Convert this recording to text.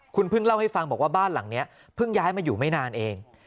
คุณพึ่งเล่าให้ฟังบอกว่าบ้านหลังนี้เพิ่งย้ายมาอยู่ไม่นานเอง